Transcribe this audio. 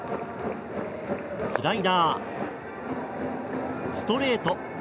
スライダー、ストレート。